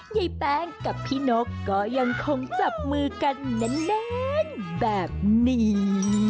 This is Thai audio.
ยายแป้งกับพี่นกก็ยังคงจับมือกันแน่นแบบนี้